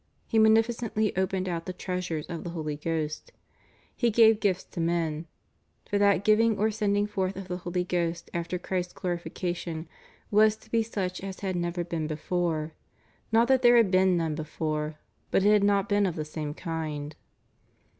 He munificently opened out the treasures of the Holy Ghost: He gave gifts to men* For that giving or sending forth of the Holy Ghost after Christ's glorification was to be such as had never been before; not that there had been none before, but it had not been of the same kind.